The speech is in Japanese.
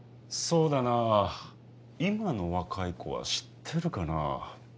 そうだな今の若い子は知ってるかな？